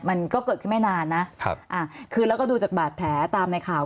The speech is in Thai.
มันก็เกิดขึ้นไม่นานนะครับอ่าคือแล้วก็ดูจากบาดแผลตามในข่าว